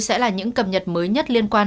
sẽ là những cập nhật mới nhất liên quan